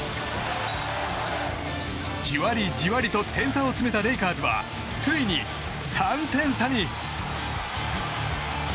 じわりじわりと点差を詰めたレイカーズは、ついに３点差に。